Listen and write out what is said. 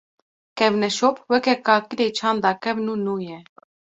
Kevneşop, weke kakilê çanda kevn û nû ye